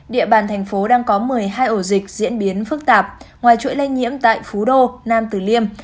địa bàn thành phố đang có một mươi hai ổ dịch diễn biến phức tạp ngoài chuỗi lây nhiễm tại phú đô nam tử liêm